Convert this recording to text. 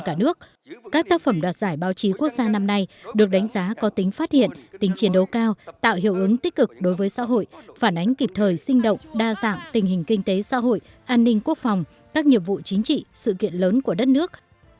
các tác phẩm đoạt giải báo chí quốc gia năm nay được đánh giá có tính phát hiện tính chiến đấu cao tạo hiệu ứng tích cực đối với xã hội phản ánh kịp thời sinh động đa dạng tình hình kinh tế xã hội an ninh quốc phòng các nhiệm vụ chính trị sự kiện lớn của đất nước